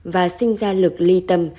và sinh ra lực ly tâm